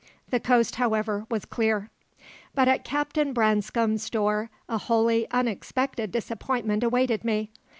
The coast, however, was clear. But at Captain Branscome's door a wholly unexpected disappointment awaited me.